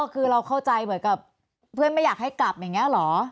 คือเราเข้าใจเหมือนกับเพื่อนไม่อยากให้กลับอย่างนี้เหรอ